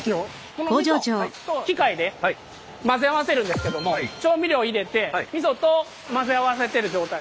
この味噌機械で混ぜ合わせるんですけども調味料入れて味噌と混ぜ合わせてる状態です。